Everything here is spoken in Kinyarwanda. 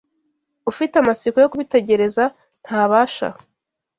Ufite amatsiko yo kubitegereza ntabasha